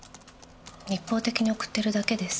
一方的に送ってるだけです。